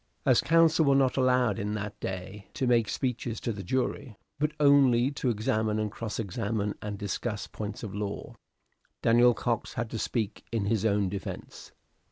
As counsel were not allowed in that day to make speeches to the jury, but only to examine and cross examine and discuss points of law, Daniel Cox had to speak in his own defence.